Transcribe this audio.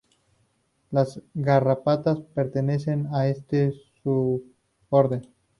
Las garrapatas pertenecen a este suborden.